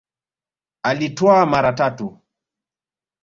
Aliitwa mara tatu